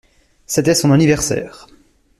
C’était son anniversaire.